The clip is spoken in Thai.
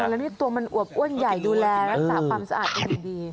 แล้วนี่ตัวมันอวบอ้วนใหญ่ดูแลรักษาปันสะอาดจริง